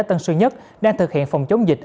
tân sư nhất đang thực hiện phòng chống dịch